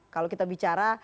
kalau kita bicara